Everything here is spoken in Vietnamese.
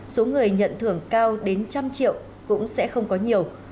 số người nhận thưởng cao đến một trăm linh triệu cũng sẽ không có nhiều